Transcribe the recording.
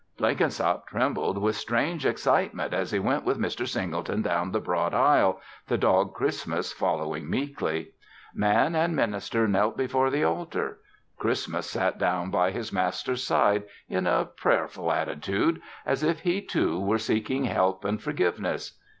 Blenkinsop trembled with strange excitement as he went with Mr. Singleton down the broad aisle, the dog Christmas following meekly. Man and minister knelt before the altar. Christmas sat down by his master's side, in a prayerful attitude, as if he, too, were seeking help and forgiveness.